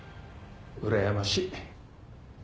うらやましい。